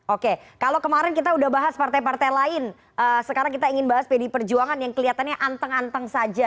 oke kalau kemarin kita sudah bahas partai partai lain sekarang kita ingin bahas pd perjuangan yang kelihatannya anteng anteng saja